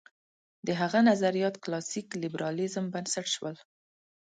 د هغه نظریات کلاسیک لېبرالېزم بنسټ شول.